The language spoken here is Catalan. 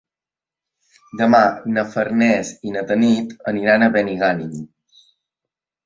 Demà na Farners i na Tanit aniran a Benigànim.